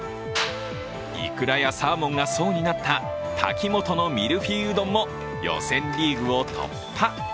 いくらやサーモンが層になった、タキモトのミルフィーユ丼も予選リーグを突破。